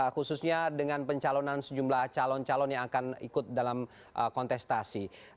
khususnya dengan pencalonan sejumlah calon calon yang akan ikut dalam kontestasi